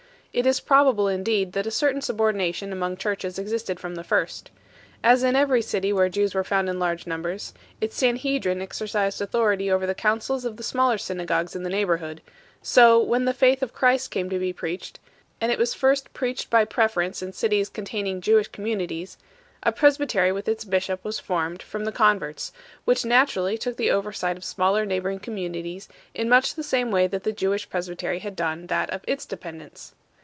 It is probable indeed that a certain subordination among churches existed from the first. As in every city where Jews were found in large numbers, its sanhedrin exercised authority over the councils of the smaller synagogues in the neighbourhood ; so, when the faith of Christ came to be preached and it was first preached by preference in cities containing Jewish com munities a presbytery with its bishop was formed from the converts 1 , which naturally took the oversight of smaller neighbouring communities in much the same way that the Jewish presbytery had done that of its dependents.